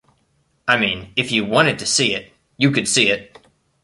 I mean, if you wanted to see it, you could see it.